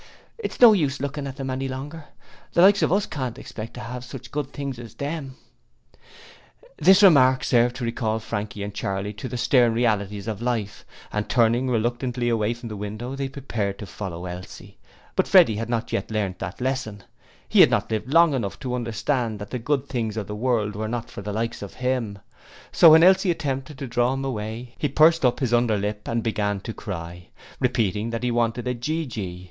'It's no use lookin' at 'em any longer; the likes of us can't expect to have such good things as them.' This remark served to recall Frankie and Charley to the stern realities of life, and turning reluctantly away from the window they prepared to follow Elsie, but Freddie had not yet learnt the lesson he had not lived long enough to understand that the good things of the world were not for the likes of him; so when Elsie attempted to draw him away he pursed up his underlip and began to cry, repeating that he wanted a gee gee.